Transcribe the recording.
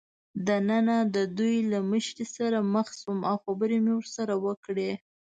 دننه د دوی له مشرې سره مخ شوم او خبرې مې ورسره وکړې.